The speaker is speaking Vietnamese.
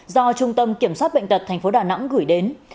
do trung tâm kiểm soát bệnh tật tp đà nẵng gửi đến